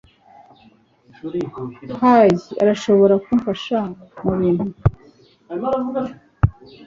Hey, urashobora kumfasha mubintu?